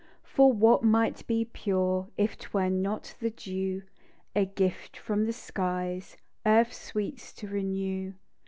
For what might be pure, If 'twere not the dew P V gift from the skies Earth's sweets to renew.